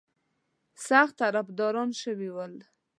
سخت طرفداران شوي ول.